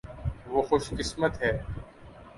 وہ خوش قسمت ہیں۔